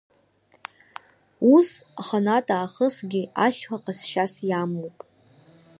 Ус, аханатә аахысгьы ашьха ҟазшьас иамоуп.